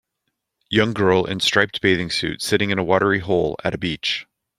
Young girl in striped bathing suit sitting in a watery hole at a beach.